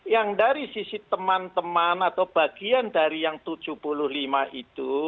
yang dari sisi teman teman atau bagian dari yang tujuh puluh lima itu